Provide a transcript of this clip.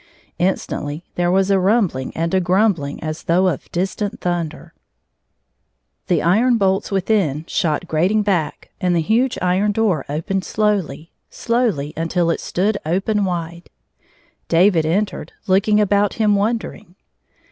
Instantly there was a rumbling and a grumbling as though of distant thunder. The iron 139 bolts within shot grating back and the huge iron door opened slowly, slowly, until it stood open wide. David entered, looking about him won dering.